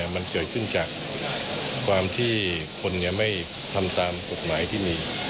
มันเกิดขึ้นจากความที่คนไม่ทำตามกฎหมายที่มี